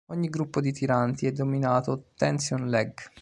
Ogni gruppo di tiranti è denominato "tension-leg".